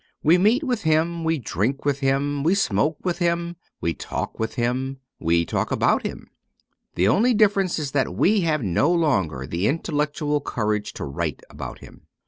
We meet with him, we drink with him, we smoke with him, we talk with him, we talk about him. The only difference is that we have no longer the intellectual courage to write about him.